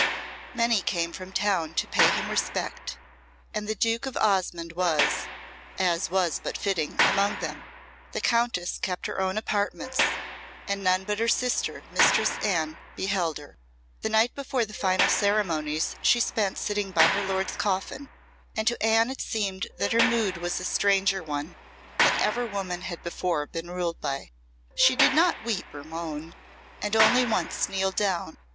Many came from town to pay him respect, and the Duke of Osmonde was, as was but fitting, among them. The countess kept her own apartments, and none but her sister, Mistress Anne, beheld her. The night before the final ceremonies she spent sitting by her lord's coffin, and to Anne it seemed that her mood was a stranger one, than ever woman had before been ruled by. She did not weep or moan, and only once kneeled down.